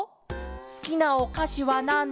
すきなおかしはなんですか？